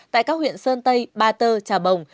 tại các huyện sơn tây ba tơ trà bồng